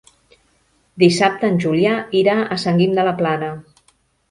Dissabte en Julià irà a Sant Guim de la Plana.